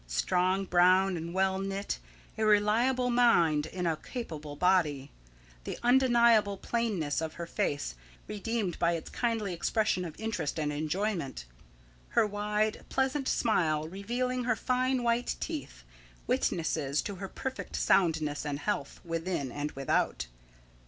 Strong, brown, and well knit, a reliable mind in a capable body, the undeniable plainness of her face redeemed by its kindly expression of interest and enjoyment; her wide, pleasant smile revealing her fine white teeth, witnesses to her perfect soundness and health, within and without.